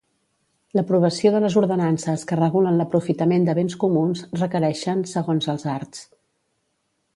L'aprovació de les ordenances que regulen l'aprofitament de béns comuns requereixen, segons els arts.